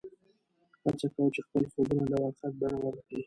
هڅه کوه چې خپل خوبونه د واقعیت بڼه ورکړې